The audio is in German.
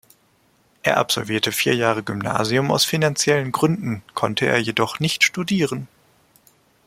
Er absolvierte vier Jahre Gymnasium, aus finanziellen Gründen konnte er jedoch nicht studieren.